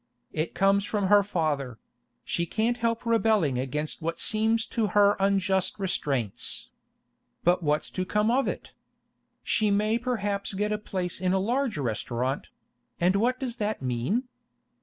It comes from her father; she can't help rebelling against what seem to her unjust restraints. But what's to come of it? She may perhaps get a place in a large restaurant—and what does that mean?